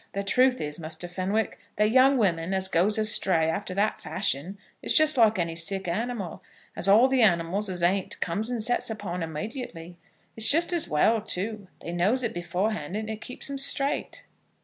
The truth is, Muster Fenwick, that young women as goes astray after that fashion is just like any sick animal, as all the animals as ain't comes and sets upon immediately. It's just as well, too. They knows it beforehand, and it keeps 'em straight."